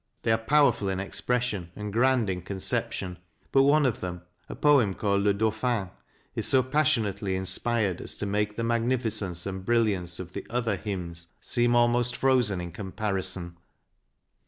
They are powerful in expression and grand in conception, but one of them, a poem called " Le Dauphin," is so passionately inspired, as to make the magnificence and brilliance of the other " Hymnes " seem almost frozen in comparison.